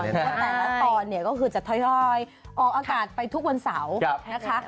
ตอนนี้ก็คือจะท้อยออกอากาศไปทุกวันเสาร์